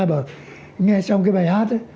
bảo nghe xong cái bài hát